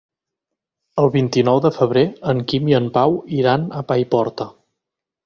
El vint-i-nou de febrer en Quim i en Pau iran a Paiporta.